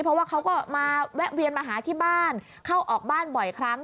เพราะว่าเขาก็มาแวะเวียนมาหาที่บ้านเข้าออกบ้านบ่อยครั้ง